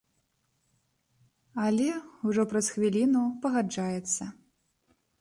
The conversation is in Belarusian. Але ўжо праз хвіліну пагаджаецца.